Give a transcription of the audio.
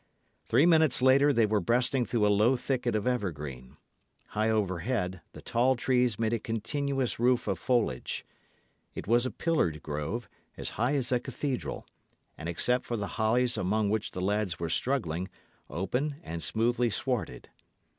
Three minutes later, they were breasting through a low thicket of evergreen. High overhead, the tall trees made a continuous roof of foliage. It was a pillared grove, as high as a cathedral, and except for the hollies among which the lads were struggling, open and smoothly swarded.